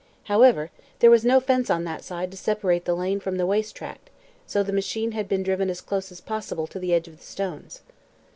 However, there was no fence on that side to separate the lane from the waste tract, so the machine had been driven as close as possible to the edge of the stones.